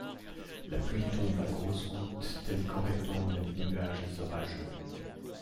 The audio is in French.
La pluie tombe à grosses gouttes, telles qu’en répandent les nuages orageux.